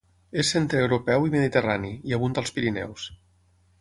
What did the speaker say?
És centreeuropeu i mediterrani, i abunda als Pirineus.